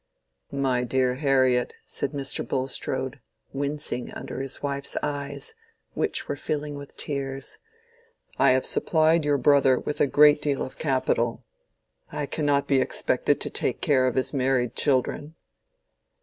"My dear Harriet," said Mr. Bulstrode, wincing under his wife's eyes, which were filling with tears, "I have supplied your brother with a great deal of capital. I cannot be expected to take care of his married children."